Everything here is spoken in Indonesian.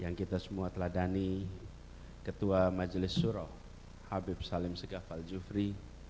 yang kita semua teladani ketua majelis suroh habib salim segafal jufri